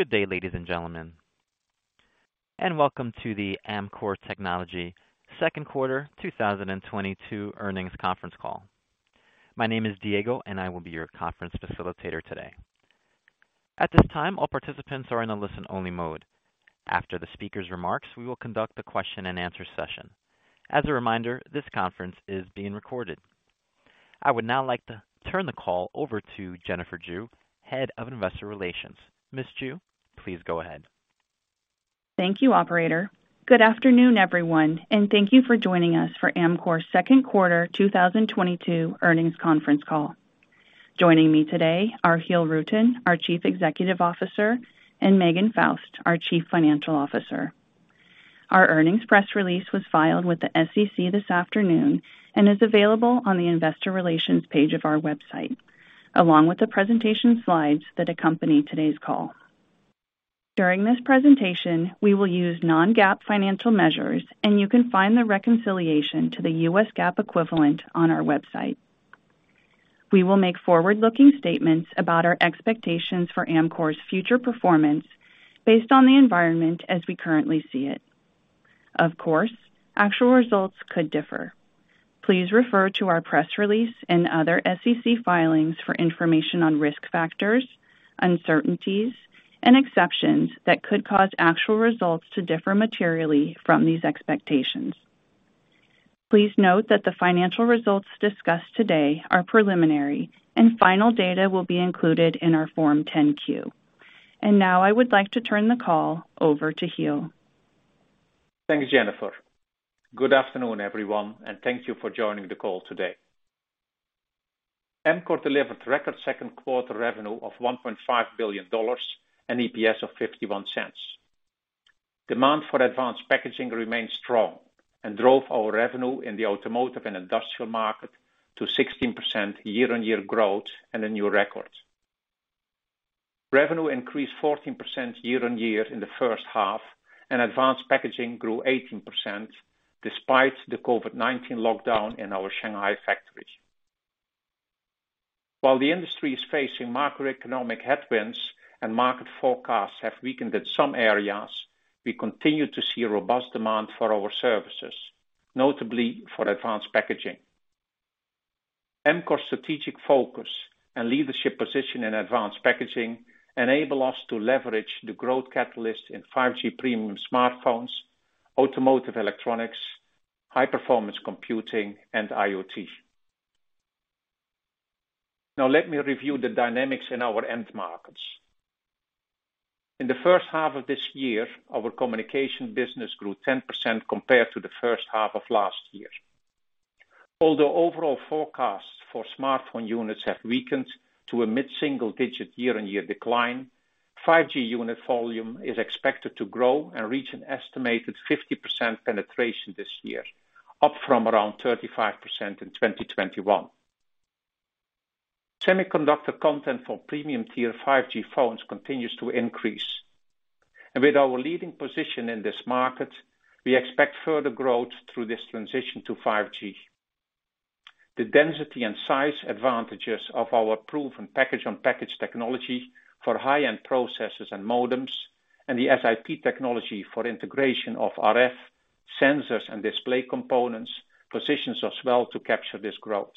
Good day, ladies and gentlemen, and welcome to the Amkor Technology Second Quarter 2022 Earnings Conference Call. My name is Diego, and I will be your conference facilitator today. At this time, all participants are in a listen-only mode. After the speaker's remarks, we will conduct a question and answer session. As a reminder, this conference is being recorded. I would now like to turn the call over to Jennifer Jue, Head of Investor Relations. Ms. Jue, please go ahead. Thank you, operator. Good afternoon, everyone, and thank you for joining us for Amkor's Second Quarter 2022 Earnings Conference Call. Joining me today are Giel Rutten, our Chief Executive Officer, and Megan Faust, our Chief Financial Officer. Our earnings press release was filed with the SEC this afternoon and is available on the investor relations page of our website, along with the presentation slides that accompany today's call. During this presentation, we will use non-GAAP financial measures, and you can find the reconciliation to the US GAAP equivalent on our website. We will make forward-looking statements about our expectations for Amkor's future performance based on the environment as we currently see it. Of course, actual results could differ. Please refer to our press release and other SEC filings for information on risk factors, uncertainties, and exceptions that could cause actual results to differ materially from these expectations. Please note that the financial results discussed today are preliminary, and final data will be included in our Form 10-Q. Now I would like to turn the call over to Giel. Thanks, Jennifer. Good afternoon, everyone, and thank you for joining the call today. Amkor delivered record second quarter revenue of $1.5 billion and EPS of $0.51. Demand for advanced packaging remained strong and drove our revenue in the automotive and industrial market to 16% year-on-year growth and a new record. Revenue increased 14% year-on-year in the first half, and advanced packaging grew 18% despite the COVID-19 lockdown in our Shanghai factories. While the industry is facing macroeconomic headwinds and market forecasts have weakened in some areas, we continue to see robust demand for our services, notably for advanced packaging. Amkor's strategic focus and leadership position in advanced packaging enable us to leverage the growth catalyst in 5G premium smartphones, automotive electronics, high-performance computing, and IoT. Now let me review the dynamics in our end markets. In the first half of this year, our communication business grew 10% compared to the first half of last year. Although overall forecasts for smartphone units have weakened to a mid-single digit year-on-year decline, 5G unit volume is expected to grow and reach an estimated 50% penetration this year, up from around 35% in 2021. Semiconductor content for premium tier 5G phones continues to increase. With our leading position in this market, we expect further growth through this transition to 5G. The density and size advantages of our proven package-on-package technology for high-end processors and modems and the SiP technology for integration of RF, sensors, and display components positions us well to capture this growth.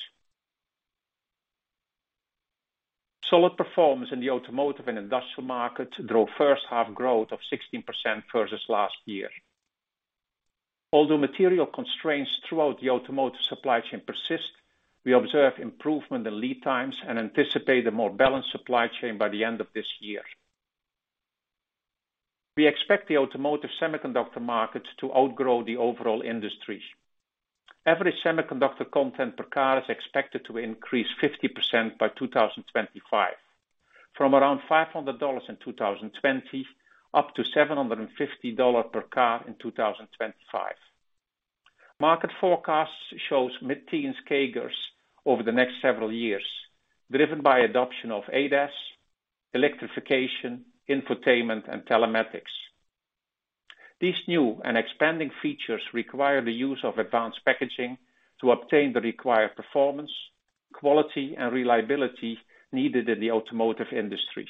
Solid performance in the automotive and industrial markets drove first half growth of 16% versus last year. Although material constraints throughout the automotive supply chain persist, we observe improvement in lead times and anticipate a more balanced supply chain by the end of this year. We expect the automotive semiconductor market to outgrow the overall industry. Average semiconductor content per car is expected to increase 50% by 2025, from around $500 in 2020 up to $750 per car in 2025. Market forecasts shows mid-teens CAGRs over the next several years, driven by adoption of ADAS, electrification, infotainment, and telematics. These new and expanding features require the use of advanced packaging to obtain the required performance, quality, and reliability needed in the automotive industry.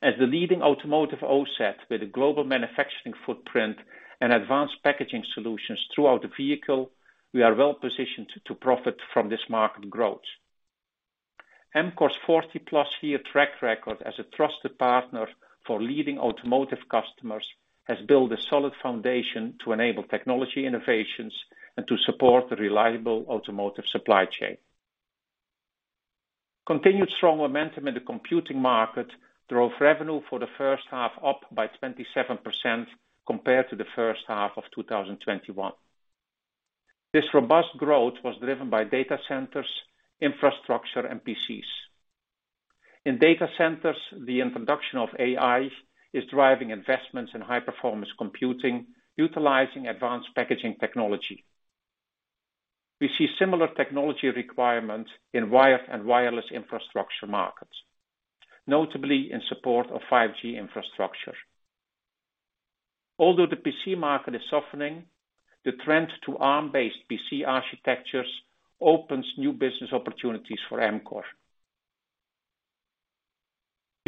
As the leading automotive OSAT with a global manufacturing footprint and advanced packaging solutions throughout the vehicle, we are well-positioned to profit from this market growth. Amkor's 40-plus year track record as a trusted partner for leading automotive customers has built a solid foundation to enable technology innovations and to support the reliable automotive supply chain. Continued strong momentum in the computing market drove revenue for the first half up by 27% compared to the first half of 2021. This robust growth was driven by data centers, infrastructure, and PCs. In data centers, the introduction of AI is driving investments in high-performance computing utilizing advanced packaging technology. We see similar technology requirements in wired and wireless infrastructure markets, notably in support of 5G infrastructure. Although the PC market is softening, the trend to ARM-based PC architectures opens new business opportunities for Amkor.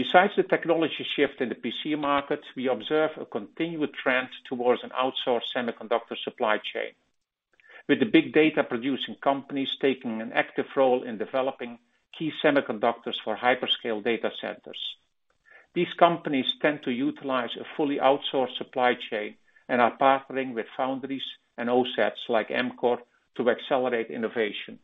Besides the technology shift in the PC markets, we observe a continued trend towards an outsourced semiconductor supply chain. With the big data producing companies taking an active role in developing key semiconductors for hyperscale data centers. These companies tend to utilize a fully outsourced supply chain and are partnering with foundries and OSATs like Amkor to accelerate innovation.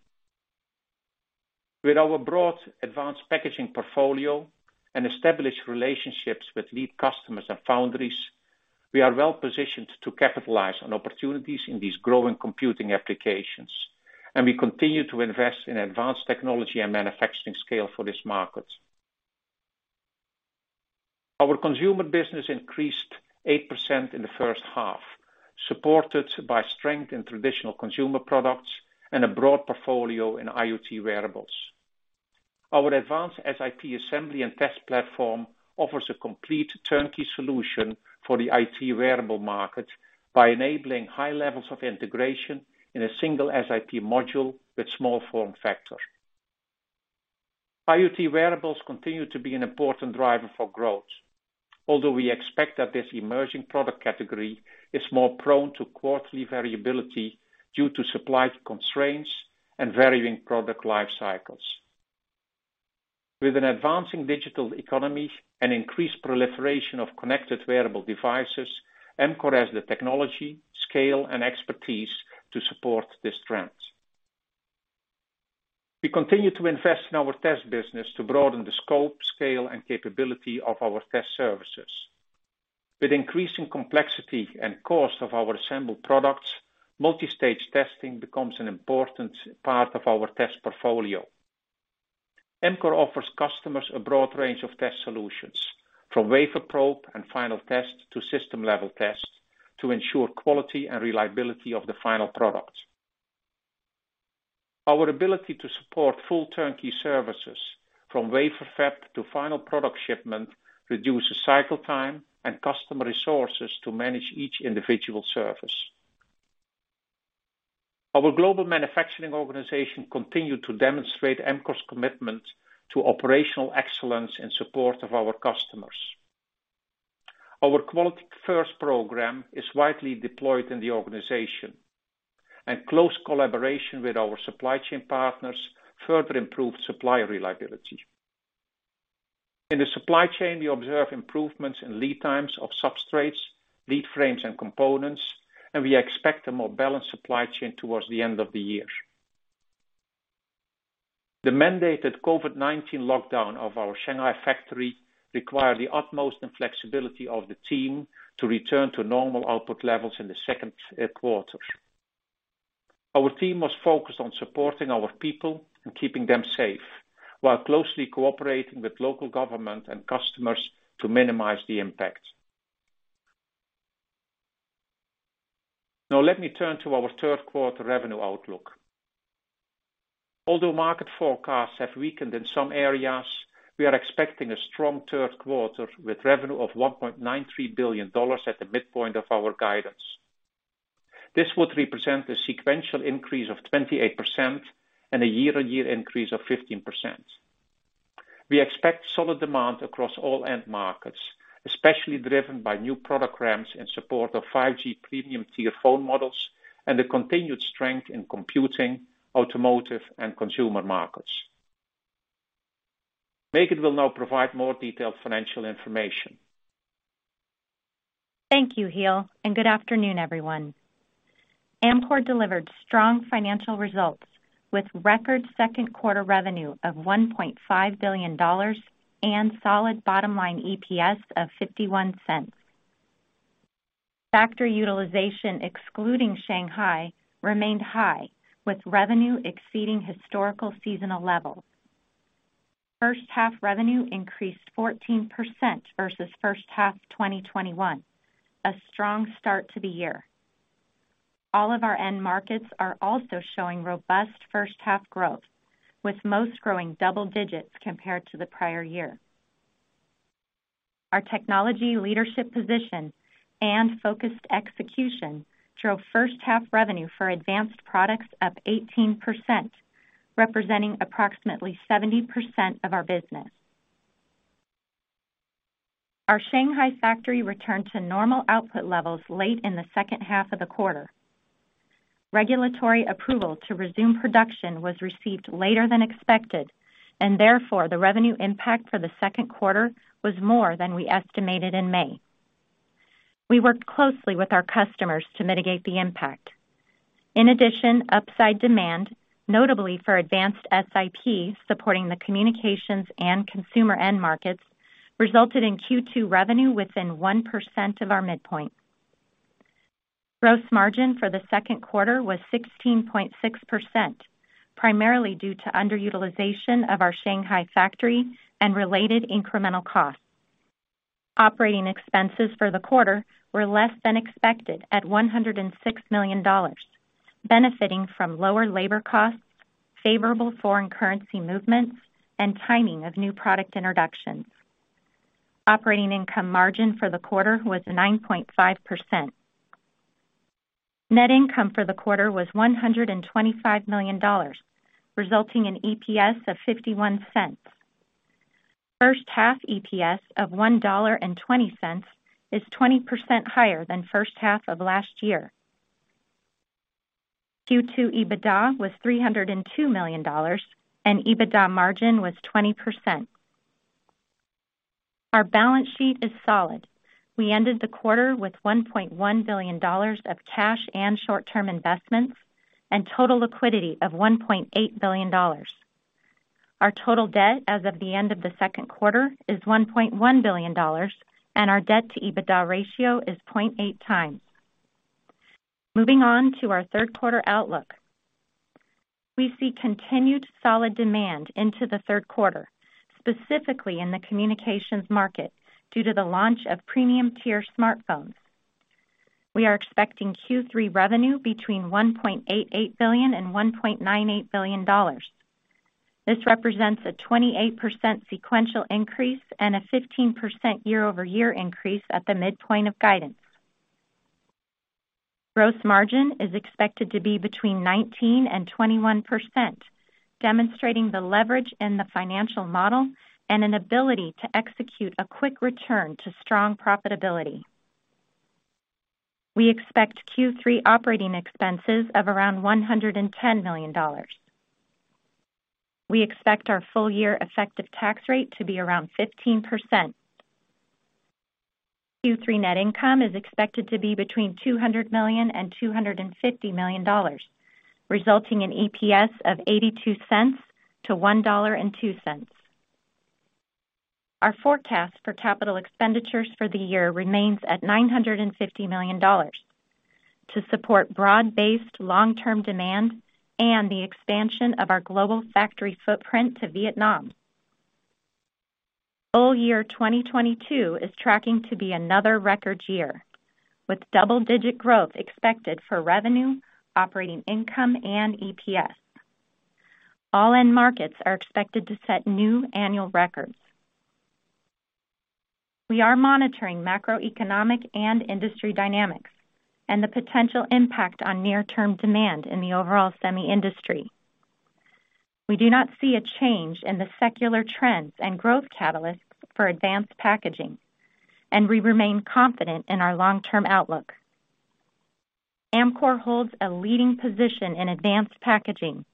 With our broad advanced packaging portfolio and established relationships with lead customers and foundries, we are well-positioned to capitalize on opportunities in these growing computing applications, and we continue to invest in advanced technology and manufacturing scale for this market. Our consumer business increased 8% in the first half, supported by strength in traditional consumer products and a broad portfolio in IoT wearables. Our Advanced SiP assembly and test platform offers a complete turnkey solution for the IoT wearable market by enabling high levels of integration in a single SiP module with small form factor. IoT wearables continue to be an important driver for growth. Although we expect that this emerging product category is more prone to quarterly variability due to supply constraints and varying product life cycles. With an advancing digital economy and increased proliferation of connected wearable devices, Amkor has the technology, scale, and expertise to support this trend. We continue to invest in our test business to broaden the scope, scale, and capability of our test services. With increasing complexity and cost of our assembled products, multi-stage testing becomes an important part of our test portfolio. Amkor offers customers a broad range of test solutions, from wafer probe and final test to system-level test, to ensure quality and reliability of the final product. Our ability to support full turnkey services from wafer fab to final product shipment, reduces cycle time and customer resources to manage each individual service. Our global manufacturing organization continued to demonstrate Amkor's commitment to operational excellence in support of our customers. Our QualityFIRST program is widely deployed in the organization, and close collaboration with our supply chain partners further improved supplier reliability. In the supply chain, we observe improvements in lead times of substrates, lead frames, and components, and we expect a more balanced supply chain towards the end of the year. The mandated COVID-19 lockdown of our Shanghai factory required the utmost flexibility of the team to return to normal output levels in the second quarter. Our team was focused on supporting our people and keeping them safe, while closely cooperating with local government and customers to minimize the impact. Now let me turn to our third quarter revenue outlook. Although market forecasts have weakened in some areas, we are expecting a strong third quarter with revenue of $1.93 billion at the midpoint of our guidance. This would represent a sequential increase of 28% and a year-on-year increase of 15%. We expect solid demand across all end markets, especially driven by new product ramps in support of 5G premium tier phone models and the continued strength in computing, automotive, and consumer markets. Megan will now provide more detailed financial information. Thank you, Giel, and good afternoon, everyone. Amkor delivered strong financial results with record second quarter revenue of $1.5 billion and solid bottom line EPS of $0.51. Factory utilization, excluding Shanghai, remained high, with revenue exceeding historical seasonal levels. First half revenue increased 14% versus first half 2021, a strong start to the year. All of our end markets are also showing robust first half growth, with most growing double digits compared to the prior year. Our technology leadership position and focused execution drove first half revenue for advanced products up 18%, representing approximately 70% of our business. Our Shanghai factory returned to normal output levels late in the second half of the quarter. Regulatory approval to resume production was received later than expected, and therefore, the revenue impact for the second quarter was more than we estimated in May. We worked closely with our customers to mitigate the impact. In addition, upside demand, notably for Advanced SiP, supporting the communications and consumer end markets, resulted in Q2 revenue within 1% of our midpoint. Gross margin for the second quarter was 16.6%, primarily due to underutilization of our Shanghai factory and related incremental costs. Operating expenses for the quarter were less than expected at $106 million, benefiting from lower labor costs, favorable foreign currency movements and timing of new product introductions. Operating income margin for the quarter was 9.5%. Net income for the quarter was $125 million, resulting in EPS of $0.51. First half EPS of $1.20 is 20% higher than first half of last year. Q2 EBITDA was $302 million, and EBITDA margin was 20%. Our balance sheet is solid. We ended the quarter with $1.1 billion of cash and short-term investments and total liquidity of $1.8 billion. Our total debt as of the end of the second quarter is $1.1 billion, and our debt-to-EBITDA ratio is 0.8x. Moving on to our third quarter outlook. We see continued solid demand into the third quarter, specifically in the communications market, due to the launch of premium-tier smartphones. We are expecting Q3 revenue between $1.88 billion and $1.98 billion. This represents a 28% sequential increase and a 15% year-over-year increase at the midpoint of guidance. Gross margin is expected to be between 19%-21%, demonstrating the leverage in the financial model and an ability to execute a quick return to strong profitability. We expect Q3 operating expenses of around $110 million. We expect our full-year effective tax rate to be around 15%. Q3 net income is expected to be between $200 million and $250 million, resulting in EPS of $0.82-$1.02. Our forecast for capital expenditures for the year remains at $950 million to support broad-based long-term demand and the expansion of our global factory footprint to Vietnam. Full-year 2022 is tracking to be another record year, with double-digit growth expected for revenue, operating income, and EPS. All end markets are expected to set new annual records. We are monitoring macroeconomic and industry dynamics and the potential impact on near-term demand in the overall semi industry. We do not see a change in the secular trends and growth catalysts for advanced packaging, and we remain confident in our long-term outlook. Amkor holds a leading position in advanced packaging,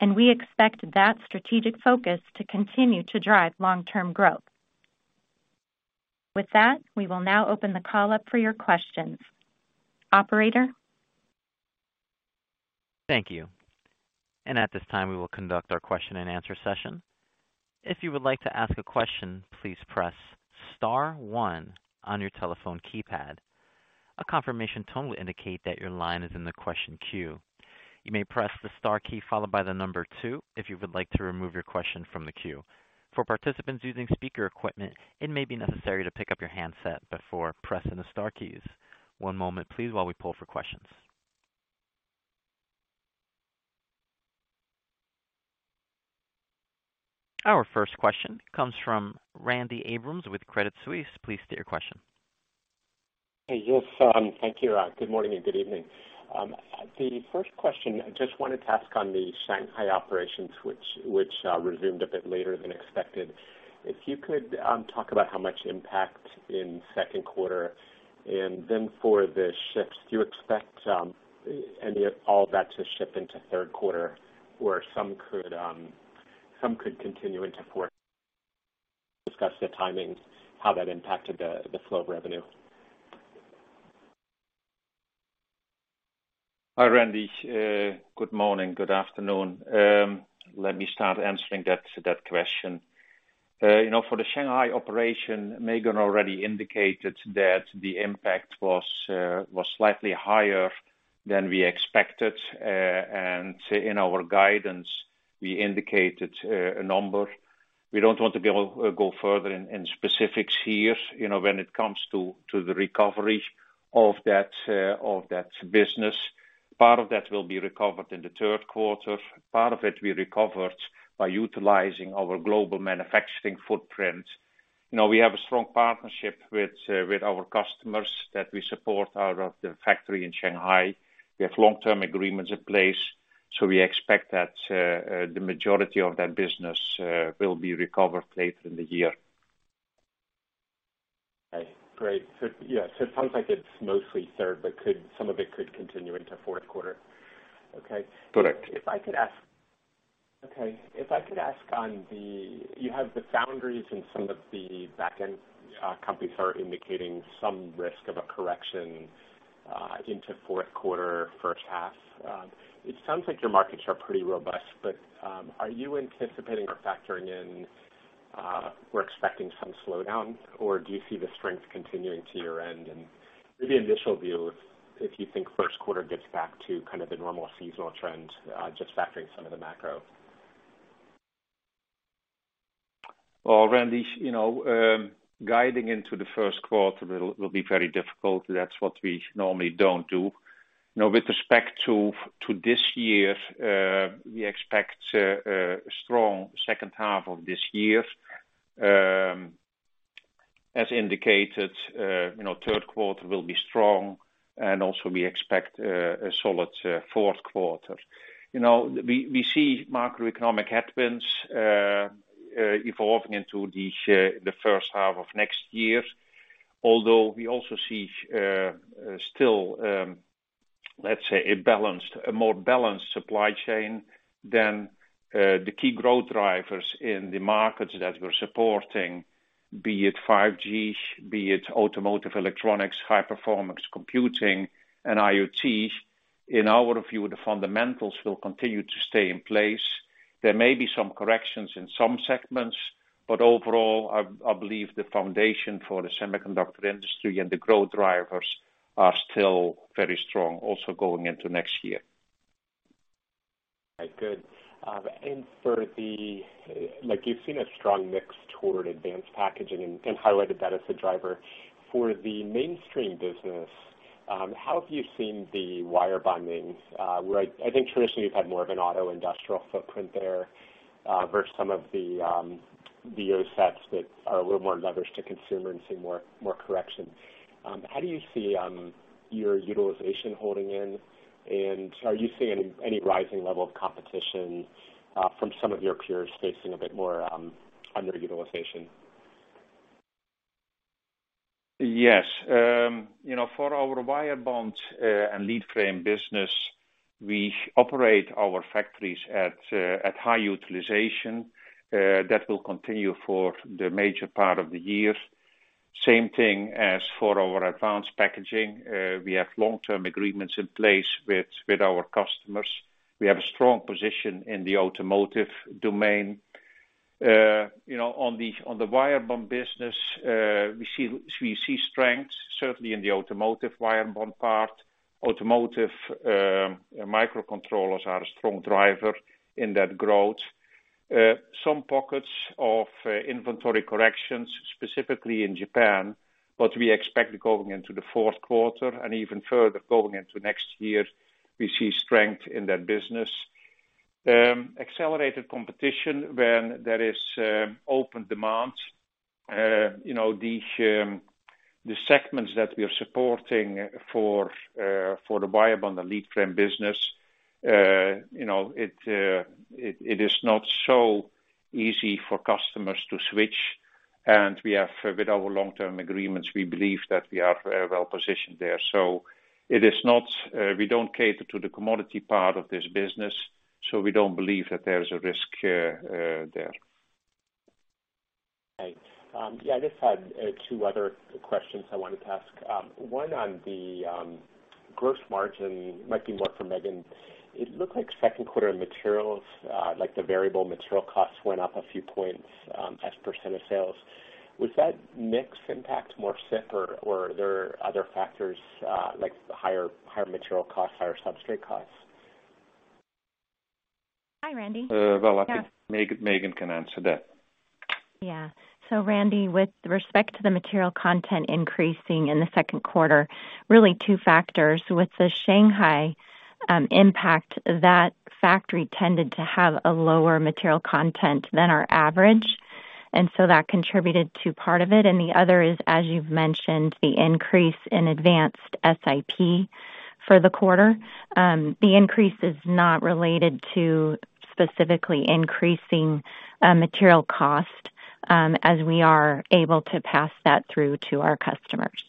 and we expect that strategic focus to continue to drive long-term growth. With that, we will now open the call up for your questions. Operator? Thank you. At this time, we will conduct our question-and-answer session. If you would like to ask a question, please press star one on your telephone keypad. A confirmation tone will indicate that your line is in the question queue. You may press the star key followed by the number two if you would like to remove your question from the queue. For participants using speaker equipment, it may be necessary to pick up your handset before pressing the star keys. One moment, please, while we pull for questions. Our first question comes from Randy Abrams with Credit Suisse. Please state your question. Hey, Giel. Thank you. Good morning and good evening. The first question, I just wanted to ask on the Shanghai operations, which resumed a bit later than expected. If you could talk about how much impact in second quarter, and then for the shifts, do you expect any of all that to shift into third quarter, or some could continue into fourth? Discuss the timing, how that impacted the flow of revenue. Hi, Randy. Good morning, good afternoon. Let me start answering that question. You know, for the Shanghai operation, Megan already indicated that the impact was slightly higher than we expected, and in our guidance, we indicated a number. We don't want to go further in specifics here, you know, when it comes to the recovery of that business. Part of that will be recovered in the third quarter. Part of it we recovered by utilizing our global manufacturing footprint. You know, we have a strong partnership with our customers that we support out of the factory in Shanghai. We have long-term agreements in place, so we expect that the majority of that business will be recovered later in the year. Okay, great. Yeah, so it sounds like it's mostly third, but some of it could continue into fourth quarter. Okay. Correct. You have the foundries and some of the back-end companies are indicating some risk of a correction into fourth quarter, first half. It sounds like your markets are pretty robust, but are you anticipating or factoring in or expecting some slowdown, or do you see the strength continuing to your end? Maybe initial view, if you think first quarter gets back to kind of the normal seasonal trend, just factoring some of the macro. Well, Randy, you know, guiding into the first quarter will be very difficult. That's what we normally don't do. Now, with respect to this year, we expect a strong second half of this year. As indicated, you know, third quarter will be strong and also we expect a solid fourth quarter. You know, we see macroeconomic headwinds evolving into the first half of next year. Although we also see still, let's say, a more balanced supply chain than the key growth drivers in the markets that we're supporting, be it 5G, be it automotive electronics, high performance computing and IoT. In our view, the fundamentals will continue to stay in place. There may be some corrections in some segments, but overall, I believe the foundation for the semiconductor industry and the growth drivers are still very strong also going into next year. Right. Good. For the, like, you've seen a strong mix toward advanced packaging and highlighted that as a driver. For the mainstream business, how have you seen the wirebond, where I think traditionally you've had more of an auto industrial footprint there, versus some of the assets that are a little more leveraged to consumer and see more correction. How do you see your utilization holding in? Are you seeing any rising level of competition from some of your peers facing a bit more underutilization? Yes. You know, for our wirebond and leadframe business, we operate our factories at high utilization. That will continue for the major part of the year. Same thing as for our advanced packaging. We have long-term agreements in place with our customers. We have a strong position in the automotive domain. You know, on the wirebond business, we see strength certainly in the automotive wirebond part. Automotive microcontrollers are a strong driver in that growth. Some pockets of inventory corrections, specifically in Japan, but we expect going into the fourth quarter and even further going into next year, we see strength in that business. Accelerated competition when there is open demand, you know, the segments that we are supporting for the wirebond, the leadframe business, you know, it is not so easy for customers to switch, and we have with our long-term agreements, we believe that we are very well positioned there. It is not, we don't cater to the commodity part of this business, so we don't believe that there is a risk there. Right. I just had two other questions I wanted to ask. One on the gross margin, might be more for Megan. It looked like second quarter materials, like the variable material costs went up a few points, as % of sales. Was that mix impact more SiP or are there other factors, like higher material costs, higher substrate costs? Hi, Randy. Yeah. Well, I think Megan can answer that. Yeah. Randy, with respect to the material content increasing in the second quarter, really two factors. With the Shanghai impact, that factory tended to have a lower material content than our average, so that contributed to a part of it. The other is, as you've mentioned, the increase in advanced SiP for the quarter. The increase is not related to specifically increasing material cost, as we are able to pass that through to our customers.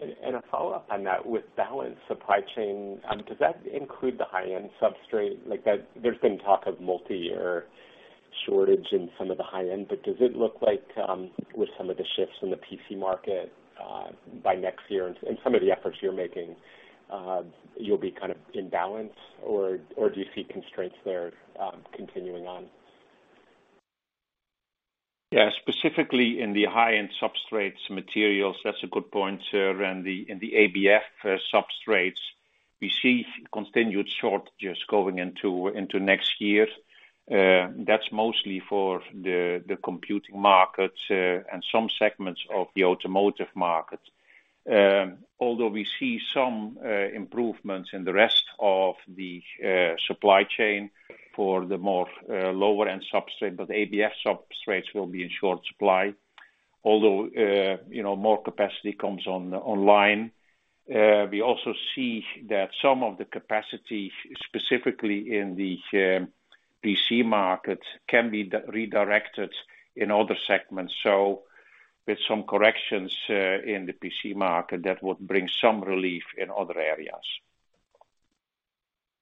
A follow-up on that. With balanced supply chain, does that include the high-end substrate? Like, there's been talk of multiyear shortage in some of the high-end, but does it look like, with some of the shifts in the PC market, by next year and some of the efforts you're making, you'll be kind of in balance? Or do you see constraints there, continuing on? Yeah. Specifically in the high-end substrates materials, that's a good point, Randy. In the ABF substrates, we see continued shortages going into next year. That's mostly for the computing market and some segments of the automotive market. Although we see some improvements in the rest of the supply chain for the more lower-end substrate, but ABF substrates will be in short supply. Although, you know, more capacity comes online. We also see that some of the capacity, specifically in the PC market, can be redirected in other segments. With some corrections in the PC market, that would bring some relief in other areas.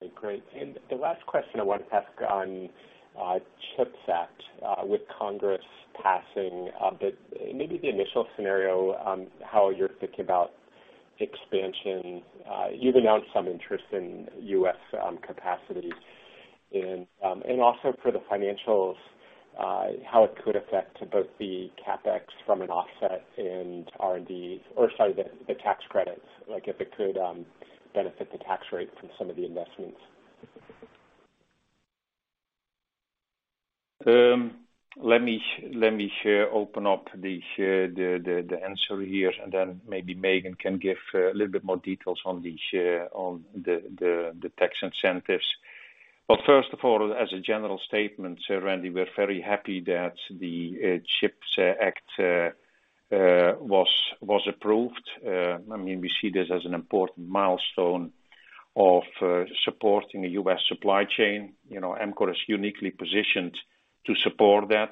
Okay. Great. The last question I wanted to ask on CHIPS Act with Congress passing it, maybe the initial scenario, how you're thinking about expansion, you've announced some interest in U.S. capacity and also for the financials, how it could affect both the CapEx from an offset and the tax credits, like if it could benefit the tax rate from some of the investments. Let me open up the answer here, and then maybe Megan can give a little bit more details on the tax incentives. First of all, as a general statement, Randy, we're very happy that the CHIPS Act was approved. I mean, we see this as an important milestone of supporting a U.S. supply chain. You know, Amkor is uniquely positioned to support that.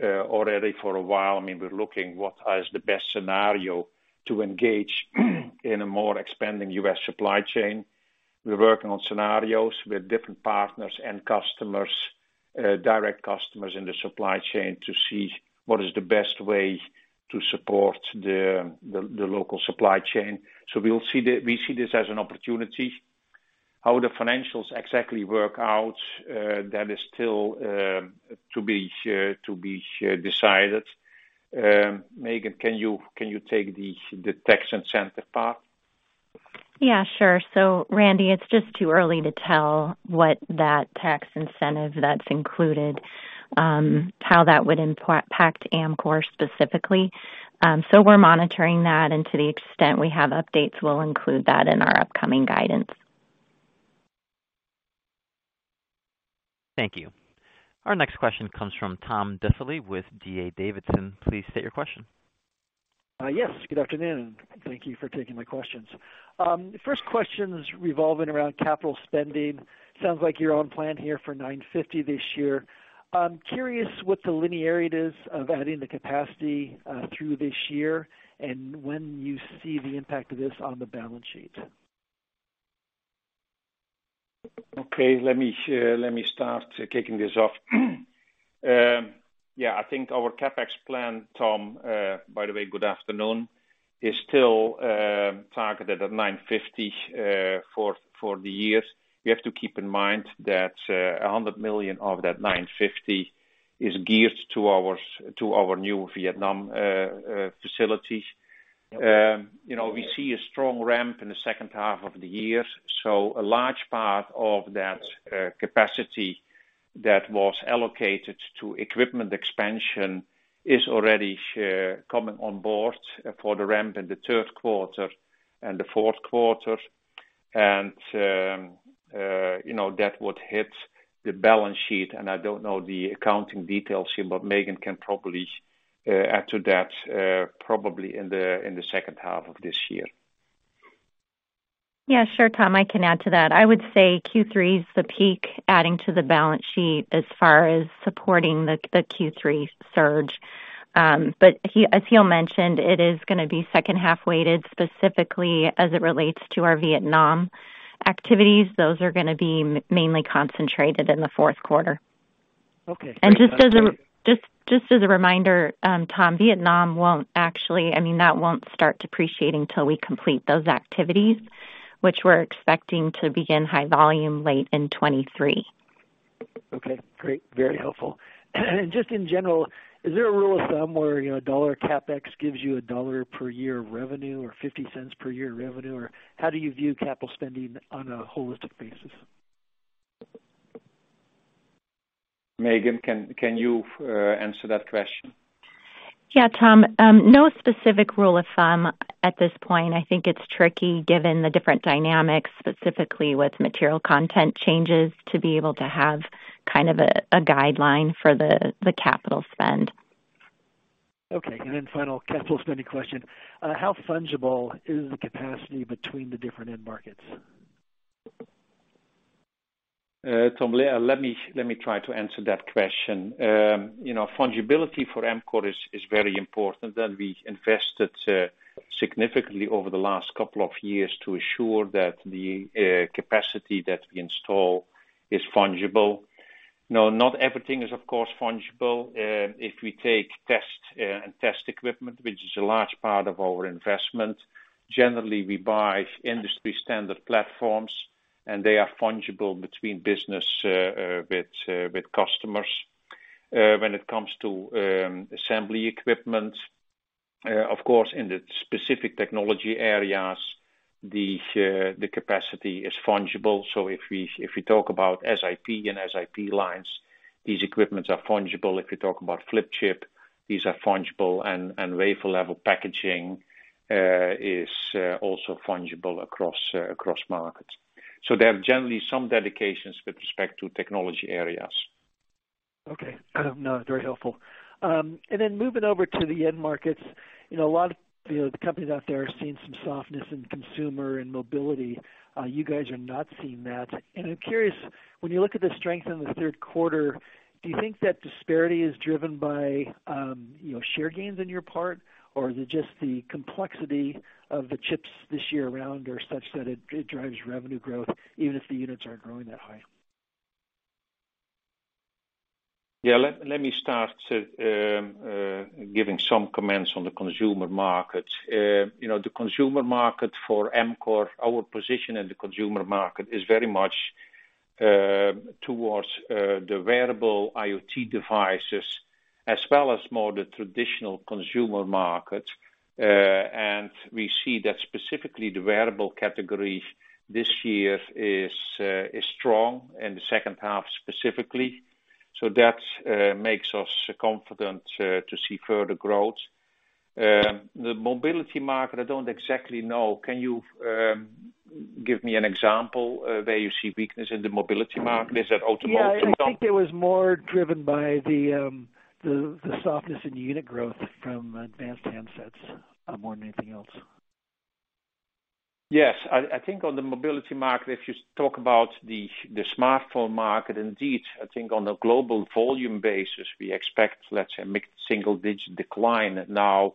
Already for a while, I mean, we're looking what is the best scenario to engage in a more expanding U.S. supply chain. We're working on scenarios with different partners and customers, direct customers in the supply chain to see what is the best way to support the local supply chain. We see this as an opportunity. How the financials exactly work out, that is still to be decided. Megan, can you take the tax incentive part? Yeah, sure. Randy, it's just too early to tell what that tax incentive that's included, how that would impact Amkor specifically. We're monitoring that, and to the extent we have updates, we'll include that in our upcoming guidance. Thank you. Our next question comes from Tom Diffely with D.A. Davidson. Please state your question. Yes. Good afternoon. Thank you for taking my questions. First question's revolving around capital spending. Sounds like you're on plan here for $950 million this year. I'm curious what the linearity is of adding the capacity through this year, and when you see the impact of this on the balance sheet. Okay. Let me start kicking this off. Yeah, I think our CapEx plan, Tom, by the way, good afternoon, is still targeted at $950 million for the year. You have to keep in mind that $100 million of that $950 million is geared to our new Vietnam facility. You know, we see a strong ramp in the second half of the year, so a large part of that capacity that was allocated to equipment expansion is already coming on board for the ramp in the third quarter and the fourth quarter. You know, that would hit the balance sheet, and I don't know the accounting details here, but Megan can probably add to that, probably in the second half of this year. Yeah, sure, Tom, I can add to that. I would say Q3 is the peak adding to the balance sheet as far as supporting the Q3 surge. As Giel mentioned, it is gonna be second half-weighted, specifically as it relates to our Vietnam activities. Those are gonna be mainly concentrated in the fourth quarter. Okay. Just as a reminder, Tom, Vietnam won't actually, I mean, that won't start depreciating till we complete those activities, which we're expecting to begin high volume late in 2023. Okay, great. Very helpful. Just in general, is there a rule of thumb where, you know, $1 CapEx gives you $1 per year of revenue or $0.50 per year of revenue, or how do you view capital spending on a holistic basis? Megan, can you answer that question? Yeah, Tom. No specific rule of thumb at this point. I think it's tricky, given the different dynamics, specifically with material content changes, to be able to have kind of a guideline for the capital spend. Okay. Final capital spending question. How fungible is the capacity between the different end markets? Tom, let me try to answer that question. You know, fungibility for Amkor is very important, and we invested significantly over the last couple of years to ensure that the capacity that we install is fungible. No, not everything is, of course, fungible. If we take test and test equipment, which is a large part of our investment, generally we buy industry-standard platforms, and they are fungible between business with customers. When it comes to assembly equipment, of course, in the specific technology areas, the capacity is fungible. If we talk about SiP and SiP lines, these equipments are fungible. If you talk about flip chip, these are fungible, and wafer-level packaging is also fungible across markets. There are generally some dedications with respect to technology areas. Okay. No, very helpful. Then moving over to the end markets, you know, a lot of, you know, the companies out there are seeing some softness in consumer and mobility. You guys are not seeing that. I'm curious, when you look at the strength in the third quarter, do you think that disparity is driven by, you know, share gains on your part, or is it just the complexity of the chips this year around are such that it drives revenue growth even if the units aren't growing that high? Yeah. Let me start giving some comments on the consumer market. You know, the consumer market for Amkor, our position in the consumer market is very much towards the wearable IoT devices, as well as more the traditional consumer market. We see that specifically the wearable category this year is strong in the second half specifically. That makes us confident to see further growth. The mobility market, I don't exactly know. Can you give me an example of where you see weakness in the mobility market? Is that automotive, Tom? Yeah. I think it was more driven by the softness in unit growth from advanced handsets more than anything else. Yes. I think on the mobility market, if you talk about the smartphone market, indeed, I think on a global volume basis, we expect, let's say mid-single digit decline. Now,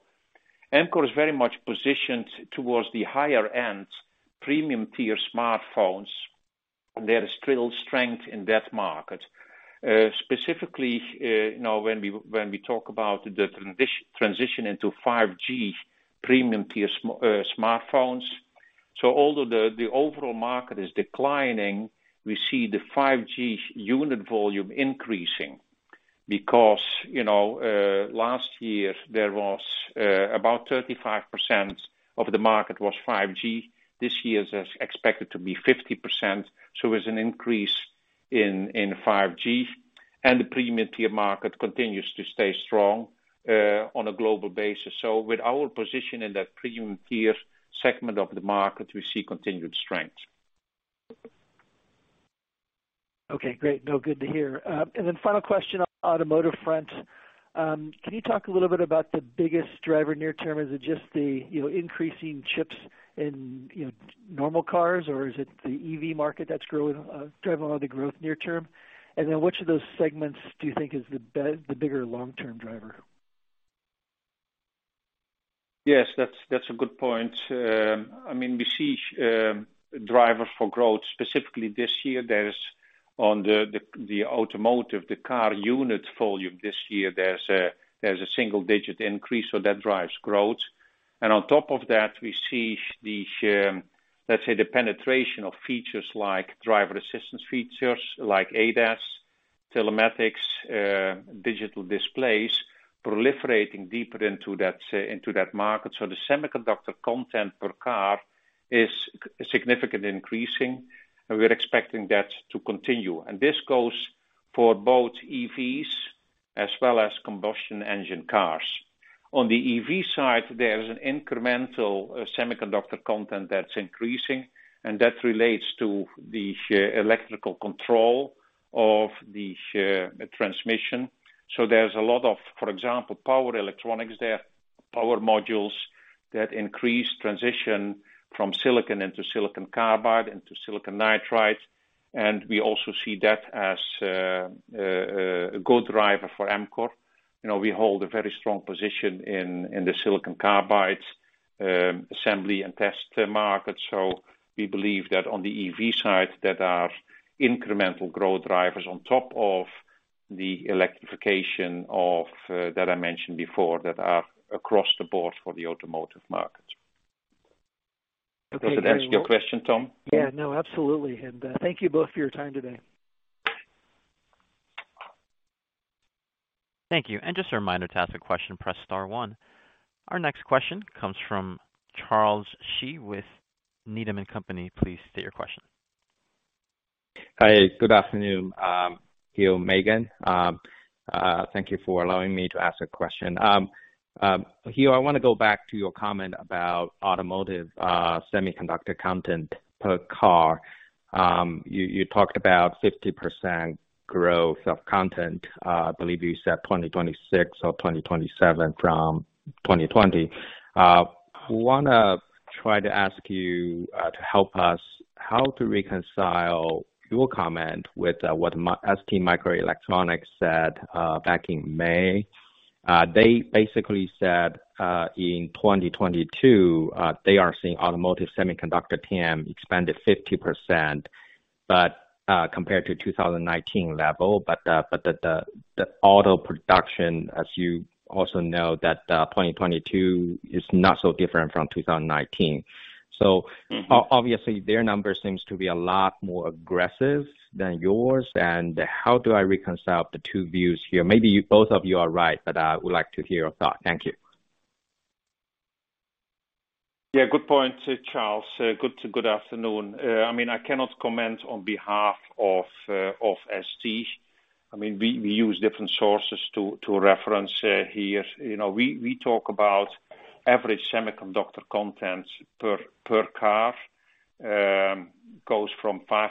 Amkor is very much positioned towards the higher end premium tier smartphones. There is still strength in that market, specifically, you know, when we talk about the transition into 5G premium tier smartphones. Although the overall market is declining, we see the 5G unit volume increasing because, you know, last year there was about 35% of the market was 5G. This year is expected to be 50%. So there's an increase in 5G, and the premium tier market continues to stay strong on a global basis. With our position in that premium tier segment of the market, we see continued strength. Okay, great. No, good to hear. Final question on automotive front. Can you talk a little bit about the biggest driver near term? Is it just the, you know, increasing chips in, you know, normal cars, or is it the EV market that's growing, driving all the growth near term? And then which of those segments do you think is the bigger long-term driver? Yes, that's a good point. I mean, we see driver for growth specifically this year. There's the automotive car unit volume this year, there's a single-digit increase, so that drives growth. On top of that, we see the, let's say, the penetration of features like driver assistance features like ADAS, telematics, digital displays proliferating deeper into that, into that market. The semiconductor content per car is significantly increasing, and we're expecting that to continue. This goes for both EVs as well as combustion engine cars. On the EV side, there is an incremental semiconductor content that's increasing, and that relates to the electrical control of the transmission. There's a lot of, for example, power electronics there, power modules that increase transition from silicon into silicon carbide into silicon nitride. We also see that as a good driver for Amkor. You know, we hold a very strong position in the silicon carbide assembly and test market. We believe that on the EV side, there are incremental growth drivers on top of the electrification of that I mentioned before, that are across the board for the automotive market. Okay, great. Does it answer your question, Tom? Yeah. No, absolutely. Thank you both for your time today. Thank you. Just a reminder to ask a question, press star one. Our next question comes from Charles Shi with Needham & Company. Please state your question. Hi. Good afternoon, Giel, Megan. Thank you for allowing me to ask a question. Giel, I wanna go back to your comment about automotive semiconductor content per car. You talked about 50% growth of content, I believe you said 2026 or 2027 from 2020. Wanna try to ask you to help us how to reconcile your comment with what STMicroelectronics said back in May. They basically said, in 2022, they are seeing automotive semiconductor TAM expanded 50%, but compared to 2019 level. The auto production, as you also know, 2022 is not so different from 2019. Obviously, their number seems to be a lot more aggressive than yours. How do I reconcile the two views here? Maybe both of you are right, but, would like to hear your thought. Thank you. Yeah, good point, Charles. Good afternoon. I mean, I cannot comment on behalf of ST. I mean, we use different sources to reference here. You know, we talk about average semiconductor content per car goes from $500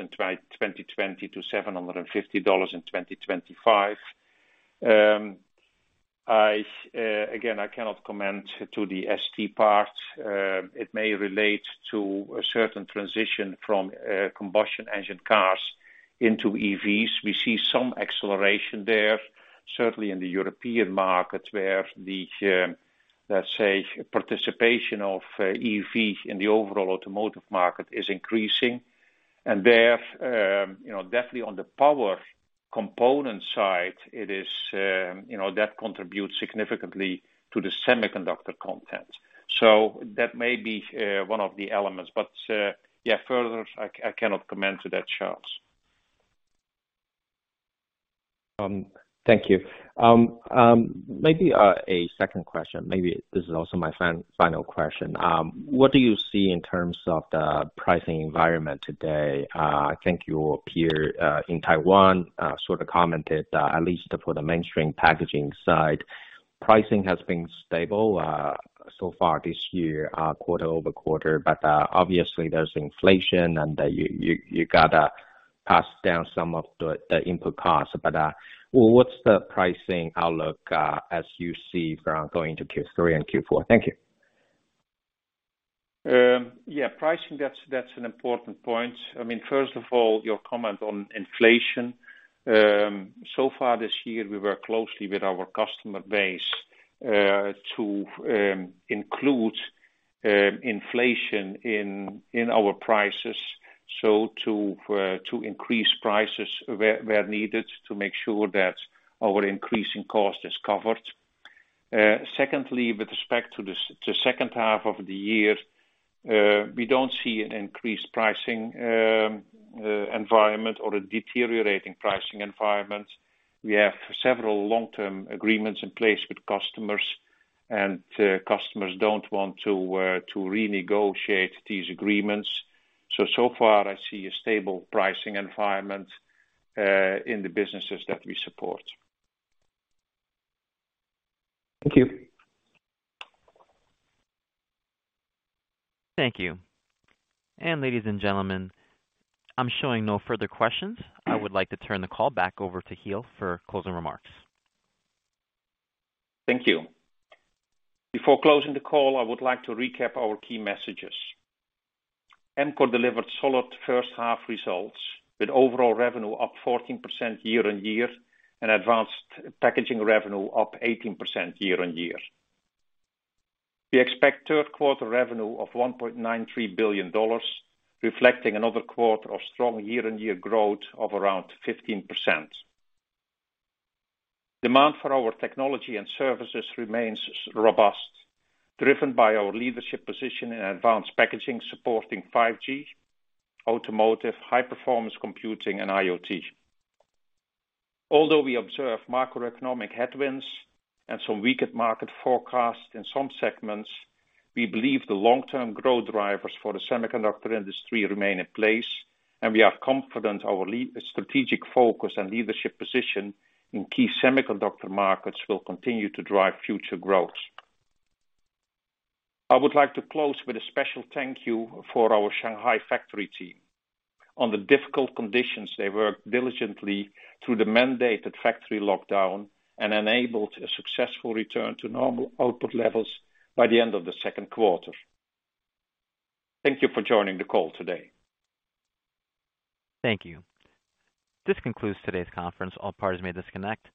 in 2020 to $750 in 2025. Again, I cannot comment to the ST part. It may relate to a certain transition from combustion engine cars into EVs. We see some acceleration there, certainly in the European market, where the, let's say, participation of EV in the overall automotive market is increasing. There, you know, definitely on the power component side, it is, you know, that contributes significantly to the semiconductor content. That may be one of the elements, but, yeah, further, I cannot comment on that, Charles. Thank you. Maybe a second question, maybe this is also my final question. What do you see in terms of the pricing environment today? I think your peer in Taiwan sort of commented that at least for the mainstream packaging side, pricing has been stable so far this year, quarter-over-quarter. Obviously there's inflation and you gotta pass down some of the input costs. What's the pricing outlook as you see going into Q3 and Q4? Thank you. Yeah, pricing, that's an important point. I mean, first of all, your comment on inflation. So far this year, we work closely with our customer base to include inflation in our prices. To increase prices where needed, to make sure that our increasing cost is covered. Secondly, with respect to the second half of the year, we don't see an increased pricing environment or a deteriorating pricing environment. We have several long-term agreements in place with customers, and customers don't want to renegotiate these agreements. So far I see a stable pricing environment in the businesses that we support. Thank you. Thank you. Ladies and gentlemen, I'm showing no further questions. I would like to turn the call back over to Giel for closing remarks. Thank you. Before closing the call, I would like to recap our key messages. Amkor delivered solid first half results with overall revenue up 14% year-on-year and advanced packaging revenue up 18% year-on-year. We expect third quarter revenue of $1.93 billion, reflecting another quarter of strong year-on-year growth of around 15%. Demand for our technology and services remains robust, driven by our leadership position in advanced packaging supporting 5G, automotive, high performance computing and IoT. Although we observe macroeconomic headwinds and some weaker market forecasts in some segments, we believe the long-term growth drivers for the semiconductor industry remain in place, and we are confident our strategic focus and leadership position in key semiconductor markets will continue to drive future growth. I would like to close with a special thank you for our Shanghai factory team. On the difficult conditions, they worked diligently through the mandated factory lockdown and enabled a successful return to normal output levels by the end of the second quarter. Thank you for joining the call today. Thank you. This concludes today's conference. All parties may disconnect.